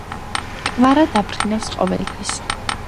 კვარა დაფრინვს ყოველთვის